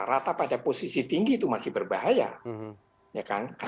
rata pada posisi tinggi itu masih berbahaya